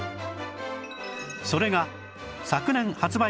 それが昨年発売